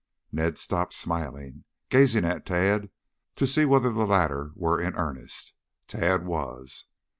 Ned stopped smiling, gazing at Tad to see whether the latter were in earnest. Tad was.